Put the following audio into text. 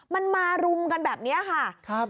มันมารุมกันแบบนี้ค่ะ